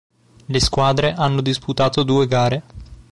Le squadre hanno disputato due gare.